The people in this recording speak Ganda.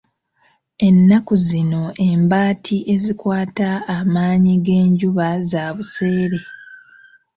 Ennaku zino embaati ezikwata amaanyi g'enjuba za buseere.